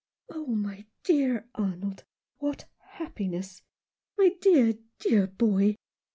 "Oh, my dear Arnold, what happiness! My dear, dear boy